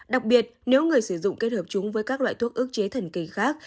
đặc biệt nếu người sử dụng kết hợp chúng với các loại thuốc ước chế thần kỳ khác